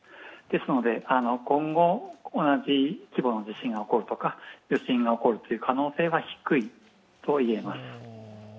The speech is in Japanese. ですので、今後、同じ規模の地震が起こるとか余震が起こるという可能性は低いと言えます。